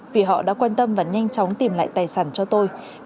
vì họ đã quan tâm và nhanh chóng tìm lại tài sản cho tôi